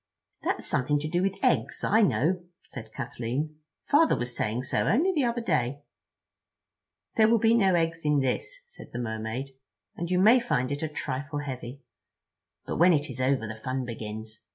"That's something to do with eggs, I know," said Kathleen. "Father was saying so only the other day." "There will be no eggs in this," said the Mermaid, "and you may find it a trifle heavy. But when it is over the fun begins.